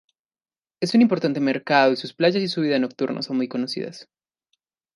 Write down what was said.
Es un importante mercado y sus playas y su vida nocturna son muy conocidas.